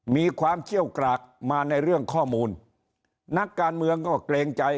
มีความเชี่ยวกรากมาในเรื่องข้อมูลนักการเมืองก็เกรงใจ